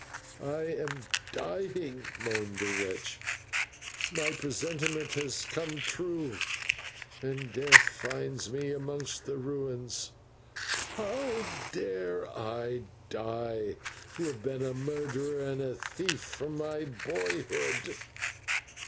"I am dying," moaned the wretch; "my presentiment has come true, and death finds me amongst ruins. How dare I die who have been a murderer and a thief from my boyhood?"